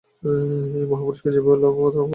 এই মহাপুরুষকে যেভাবেই লও, তাহা আমি গ্রাহ্য করি না।